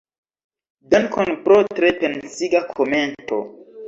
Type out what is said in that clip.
Dankon pro tre pensiga komento.